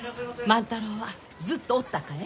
万太郎はずっとおったかえ？